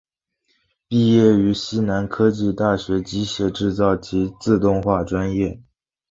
毕业于西南科技大学机械制造及自动化专业。